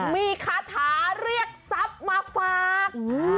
มีคาถาเรียกทรัพย์มาฝาก